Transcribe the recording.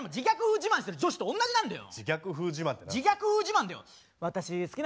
自慢してる女子と同じなんだよ！